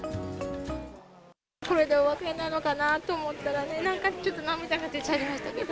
これでお別れなのかなと思ったらね、なんかちょっと涙が出ちゃいましたけど。